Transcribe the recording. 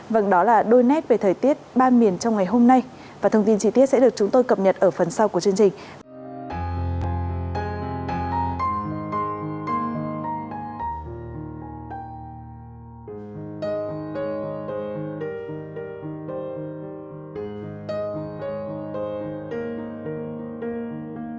vâng đó là đôi nét về thời tiết ba miền trong ngày hôm nay và thông tin trí tiết sẽ được chúng tôi cập nhật ở phần sau của chương trình